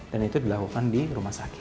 dan itu dilakukan di rumah sakit